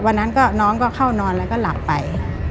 วันนั้นก็น้องก็เข้านอนแล้วก็หลับไป